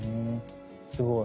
すごい。